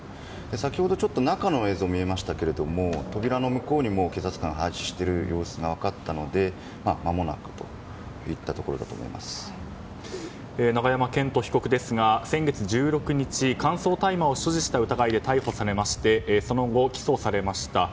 先ほど、中の映像が見えましたけれども扉の向こうに警察官を配置している様子が分かったので永山絢斗被告ですが先月１６日乾燥大麻を所持した疑いで逮捕され、その後起訴されました。